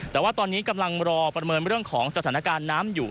แต่ว่าตอนนี้กำลังรอประเมินเรื่องของสถานการณ์น้ำอยู่